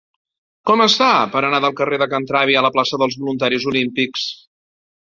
Com es fa per anar del carrer de Can Travi a la plaça dels Voluntaris Olímpics?